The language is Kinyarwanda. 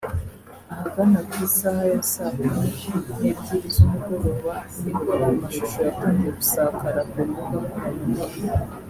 Ahagana ku isaha ya saa kumi n’ebyiri z’umugoroba nibwo ayo mashusho yatangiye gusakara ku mbuga nkoranyambaga